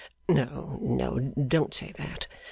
'No, no, don't say that.